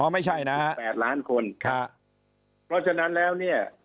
ไม่ใช่นะแปดล้านคนครับเพราะฉะนั้นแล้วเนี่ย